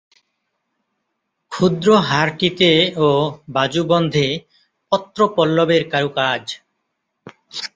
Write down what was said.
ক্ষুদ্র হারটিতে ও বাজুবন্ধে পত্রপল্লবের কারুকাজ।